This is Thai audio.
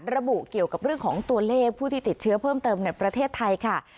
ระบุเกี่ยวกับเรื่องของตัวเลขผู้ที่ติดเชื้อเพิ่มเติมในประเทศไทยค่ะ